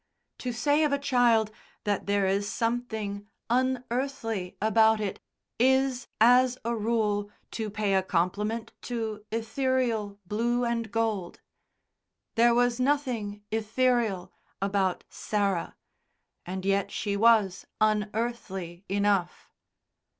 To say of a child that there is something "unearthly" about it is, as a rule, to pay a compliment to ethereal blue and gold. There was nothing ethereal about Sarah, and yet she was unearthly enough.